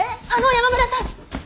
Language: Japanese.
あの山村さん！